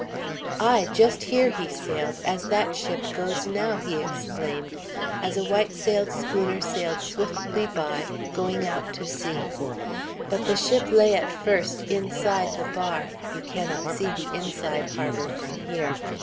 "Ay, just there he sailed, as that ship goes now," he exclaimed, as a white sailed schooner sailed swiftly by, going out to sea. "But the ship lay at first inside the bar; you cannot see the inside harbor from here.